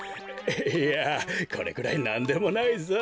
いやこれくらいなんでもないぞ。